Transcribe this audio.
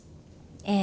ええ。